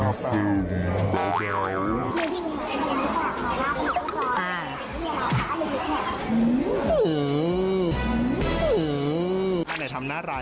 ใครหน่อยทำหน้าราย